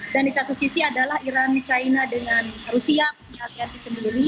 dan di satu sisi adalah iran china dengan rusia punya aliansi sendiri